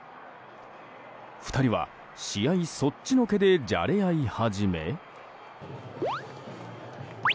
２人は試合そっちのけでじゃれ合い始め。